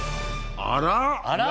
あら。